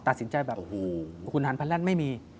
ตัดสินใจแบบคุณฮันพันธ์แล้วไม่มี